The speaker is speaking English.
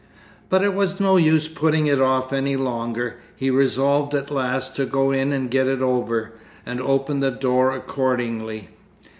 But it was no use putting it off any longer; he resolved at last to go in and get it over, and opened the door accordingly.